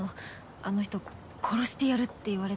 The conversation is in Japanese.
あの人殺してやるって言われてた。